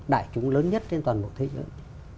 đại chúng lớn nhất trên toàn bộ thế giới